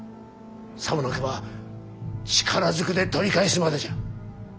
さもなくば力ずくで取り返すまでじゃ。